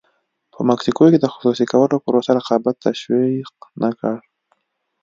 په مکسیکو کې د خصوصي کولو پروسه رقابت تشویق نه کړ.